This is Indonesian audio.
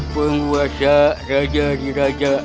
penguasa raja di raja